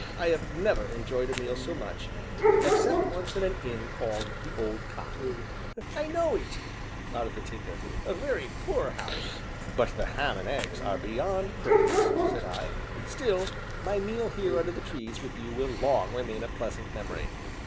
I have never enjoyed a meal so much except once at an inn called 'The Old Cock.'" "I know it," nodded the Tinker; "a very poor house." "But the ham and eggs are beyond praise," said I; "still, my meal here under the trees with you will long remain a pleasant memory."